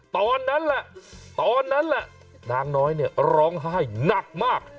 ตอนนั้นแหละตอนนั้นแหละนางน้อยเนี่ยร้องไห้หนักมาก